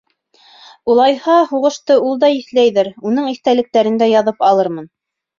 — Улайһа, һуғышты ул да иҫләйҙер, уның иҫтәлектәрен дә яҙып алырмын.